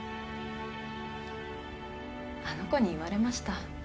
あの子に言われました。